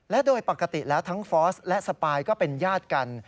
และโดยปกติแล้วทั้งฟอสและสปายก็เป็นญาติกัน